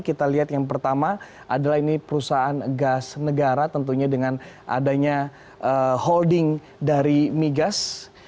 kita lihat yang pertama adalah ini perusahaan gas negara tentunya dengan adanya holding dari migas